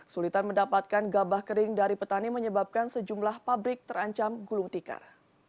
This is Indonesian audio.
sulitan mendapatkan gabah kering dari petani menyebabkan sejumlah pabrik terancam gulung tikar